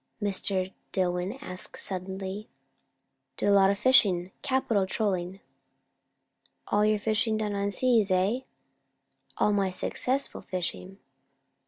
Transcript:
Mr. Dillwyn asked suddenly. "Did a lot of fishing. Capital trolling." "All your fishing done on the high seas, eh?" "All my successful fishing."